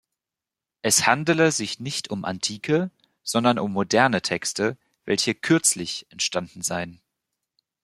Es handele sich nicht um antike, sondern um moderne Texte, welche "kürzlich" entstanden seien.